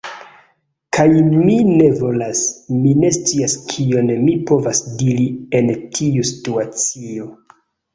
Kaj, mi ne volas... mi ne scias kion mi povas diri en tiu situacio.